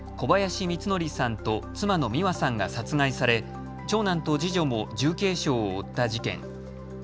おととし茨城県境町で小林光則さんと妻の美和さんが殺害され長男と次女も重軽傷を負った事件。